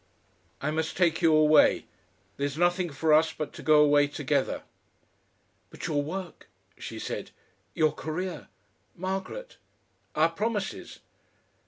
"I must take you away. There's nothing for us but to go away together." "But your work," she said; "your career! Margaret! Our promises!"